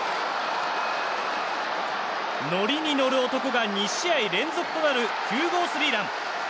乗りに乗る男が２試合連続となる９号スリーラン。